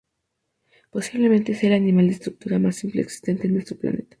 Posiblemente sea el animal de estructura más simple existente en nuestro planeta.